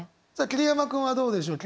桐山君はどうでしょう？